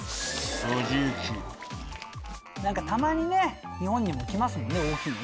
たまに日本にも来ますもんね大きいの。